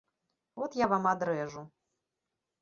От я вам адрэжу.